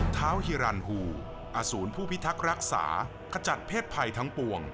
เท้าฮิรันฮูอสูรผู้พิทักษ์รักษาขจัดเพศภัยทั้งปวง